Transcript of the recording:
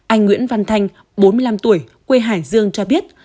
anh nguyễn văn thanh bốn mươi năm tuổi quê hải dương cho biết